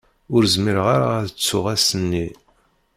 Ur zmireɣ ara ad ttuɣ ass-nni.